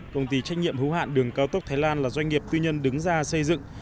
công ty trách nhiệm hữu hạn đường cao tốc thái lan là doanh nghiệp tư nhân đứng ra xây dựng